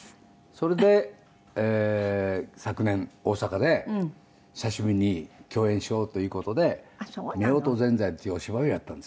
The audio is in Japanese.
それで昨年大阪で久しぶりに共演しようという事で『夫婦善哉』っていうお芝居をやったんですよ。